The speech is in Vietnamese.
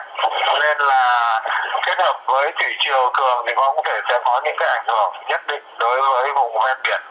nên là kết hợp với thủy triều cường thì có thể sẽ có những cái ảnh hưởng nhất định đối với vùng ven biển